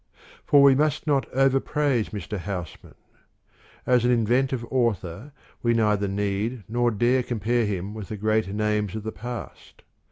For we must not overpraise Mr. Housman. As an inventive author we neither need nor dare com pare him with the great names of the past.